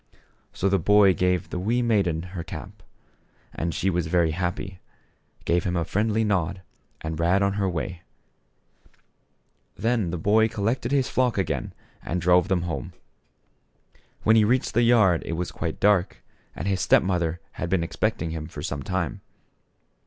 So the boy gave the wee maiden her cap. And she was very happy, gave him a friendly nod and ran on her way. Then the boy collected his flock again and THE SHEPHEBD BOY. 59 drove them home. When he reached the yard it was quite dark and his step mother had been ex pecting him for some time.